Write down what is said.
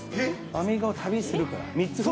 アメリカを旅するから。